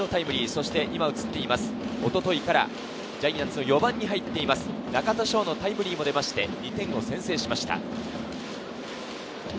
そして一昨日からジャイアンツの４番に入っています中田翔のタイムリーも出て、２点を先制しました。